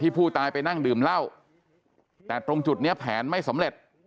ผู้ตายไปนั่งดื่มเหล้าแต่ตรงจุดนี้แผนไม่สำเร็จ